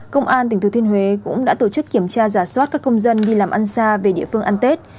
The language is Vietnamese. công an tỉnh thừa thiên huế cũng đã tổ chức kiểm tra giả soát các công dân đi làm ăn xa về địa phương ăn tết